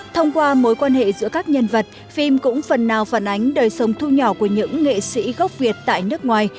thông qua mối quan hệ giữa các nhân vật phim cũng phần nào phản ánh đời sống thu nhỏ của những nghệ sĩ gốc việt tại nước ngoài